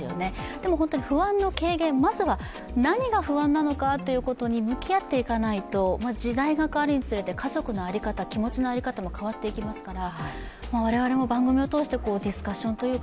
でも不安の軽減、まずは何が不安なのかということに向き合っていかないと時代が変わるにつれて変わっていきますから。